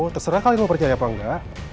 terserah kalian mau percaya apa enggak